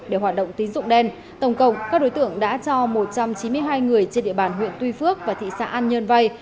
để hoạt động tín dụng đen tổng cộng các đối tượng đã cho một trăm chín mươi hai người trên địa bàn huyện tuy phước và thị xã an nhơn vay